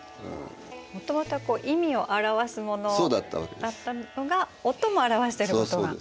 もともとは意味を表すものだったのが音も表してることが分かった。